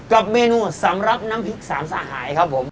กับเมนูสำหรับน้ำพริกสามสหายครับผม